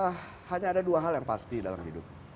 karena hanya ada dua hal yang pasti dalam hidup